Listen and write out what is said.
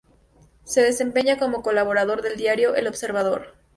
Se desempeña como colaborador del diario "El Observador".